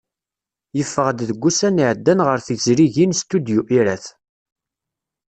Yeffeɣ-d deg ussan iɛeddan ɣer tezrigin Studyu Irath.